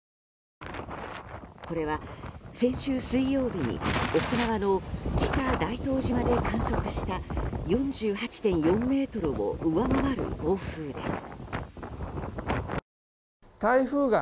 これは、先週水曜日に沖縄の北大東島で観測した、４８．４メートルを上回る暴風です。